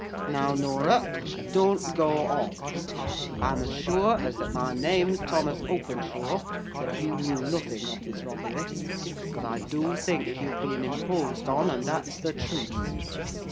Now, Norah! Don't go off! I am as sure as that my name's Thomas Openshaw, that you knew nothing of this robbery. But I do think you've been imposed on, and that's the truth.